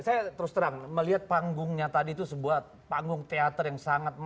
saya terus terang melihat panggungnya tadi itu sebuah panggung teater yang sangat menarik